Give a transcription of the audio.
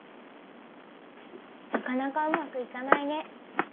なかなかうまくいかないね。